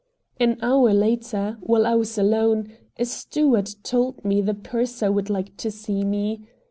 An hour later, while I was alone, a steward told me the purser would like to see me.